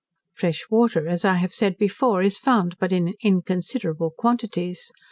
Fresh water, as I have said before, is found but in inconsiderable quantities.